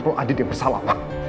kalau andi dia bersalah